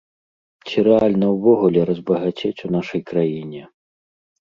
Ці рэальна ўвогуле разбагацець у нашай краіне?